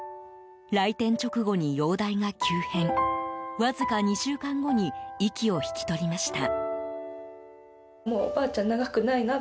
来店直後に容体が急変わずか２週間後に息を引き取りました。